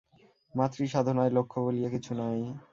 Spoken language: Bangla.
মাতৃ-সাধনায় লক্ষ্য বলিয়া কিছু নাই।